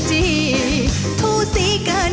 ใครเป็นคู่ควรแม่คุณ